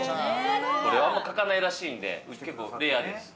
これはあんまり書かないらしいんで、結構レアです。